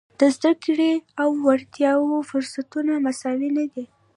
د زده کړې او وړتیاوو فرصتونه مساوي نه دي.